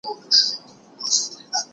هغه ځان له جنګه وساتی او ليري ولاړی.